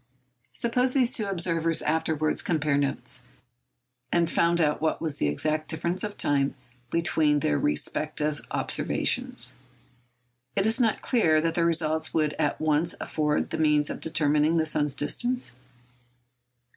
Suppose these two observers afterwards compared notes, and found out what was the exact difference of time between their respective observations. Is it not clear that the result would at once afford the means of determining the sun's distance?